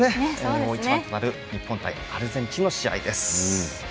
大一番となる日本対アルゼンチンの試合です。